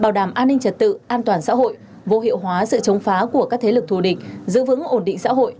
bảo đảm an ninh trật tự an toàn xã hội vô hiệu hóa sự chống phá của các thế lực thù địch giữ vững ổn định xã hội